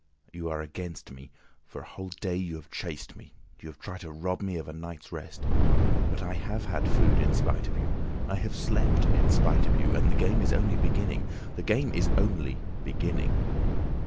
You are against me. For a whole day you have chased me; you have tried to rob me of a night's rest. But I have had food in spite of you, I have slept in spite of you, and the game is only beginning. The game is only beginning.